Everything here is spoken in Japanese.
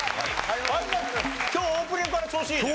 今日オープニングから調子いいね。